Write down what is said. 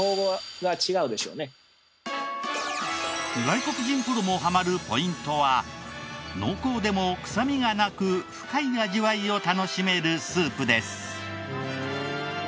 外国人プロもハマるポイントは濃厚でも臭みがなく深い味わいを楽しめるスープです。